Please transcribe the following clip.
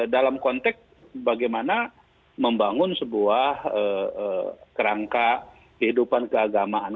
dalam konteks bagaimana membangun sebuah kerangka kehidupan keagamaan